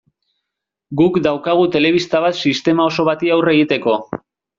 Guk daukagu telebista bat sistema oso bati aurre egiteko.